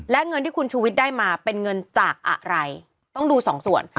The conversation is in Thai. และเงินที่คุณชูวิทย์ได้มาเป็นเงินจากอะไรต้องดูสองส่วน